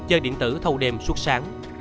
chơi điện tử thâu đêm suốt sáng